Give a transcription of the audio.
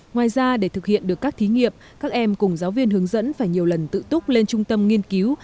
ngoài ra để thực hiện được các thí nghiệp các em cùng giáo viên hướng dẫn phải nhiều lần tự túc lên trung tâm nghiên cứu